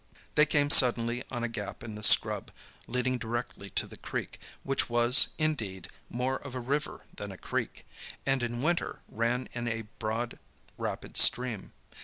They came suddenly on a gap in the scrub, leading directly to the creek, which was, indeed, more of a river than a creek, and in winter ran in a broad, rapid stream.